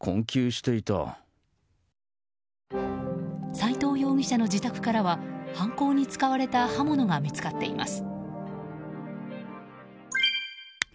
斉藤容疑者の自宅からは犯行に使われた刃物が見つかっています。